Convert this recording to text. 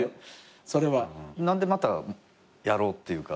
何でまたやろうっていうか。